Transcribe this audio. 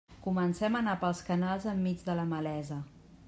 Comencem a anar pels canals enmig de la malesa.